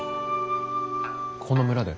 この村で？